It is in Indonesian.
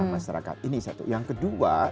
masyarakat ini satu yang kedua